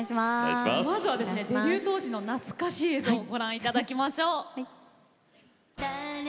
まずはですねデビュー当時の懐かしい映像をご覧頂きましょう。